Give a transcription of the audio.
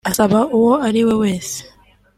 asaba uwo ari we wese